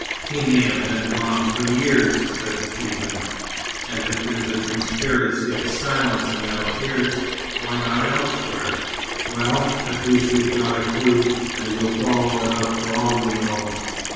"He may have been gone for years," said Stephen. "And if there's a conspiracy of silence in Algiers, why not elsewhere?" "Well, at least we've got a clue, and will follow it up for all we know.